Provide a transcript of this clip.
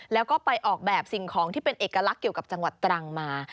แล้วก็ไปออกแบบสิ่งของที่เป็นเอกลักษณ์เกี่ยวกับจังหวัดตรังมา